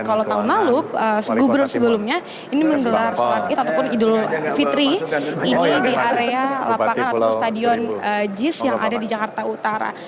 kalau tahun lalu gubernur sebelumnya ini menggelar sholat id ataupun idul fitri ini di area lapangan ataupun stadion jis yang ada di jakarta utara